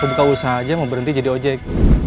buka usaha aja mau berhenti jadi ojek